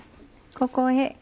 ここへ。